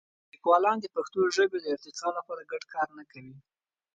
لیکوالان د پښتو ژبې د ارتقا لپاره ګډ کار نه کوي.